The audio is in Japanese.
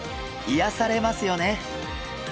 いやされますよね。